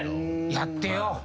やってよ。